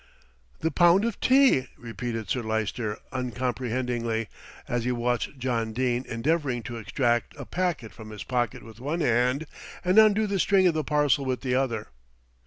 "The pound of tea!" repeated Sir Lyster uncomprehendingly, as he watched John Dene endeavouring to extract a packet from his pocket with one hand, and undo the string of the parcel with the other.